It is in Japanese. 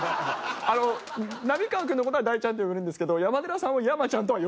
浪川君の事は「大ちゃん」って呼べるんですけど山寺さんを。